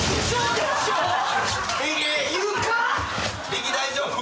力大丈夫？